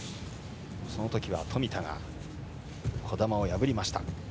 そのときは冨田が児玉を破りました。